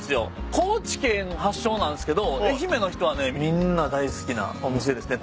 高知県発祥なんすけど愛媛の人はねみんな大好きなお店ですね